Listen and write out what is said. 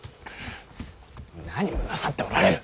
何をなさっておられる。